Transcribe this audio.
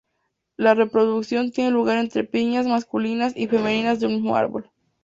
La reproducción tiene lugar entre piñas masculinas y femeninas de un mismo árbol.